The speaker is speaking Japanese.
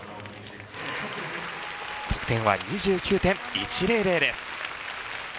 得点は２９．１００です。